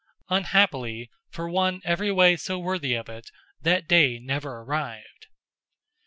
Unhappily, for one every way so worthy of it, that day never arrived!